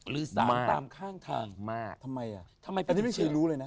แต่สิ่งนึงพี่ก๊อฟจะเชื่อเรื่องสารเพียงตา